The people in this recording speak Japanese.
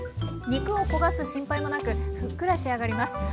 肉を焦がす心配もなくふっくら仕上がります。